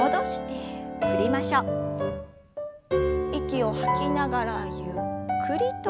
息を吐きながらゆっくりと。